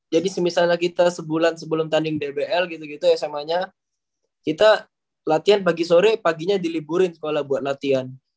jadi misalnya kita sebulan sebelum tanding dbl gitu gitu sma nya kita latihan pagi sore paginya diliburin sekolah buat latihan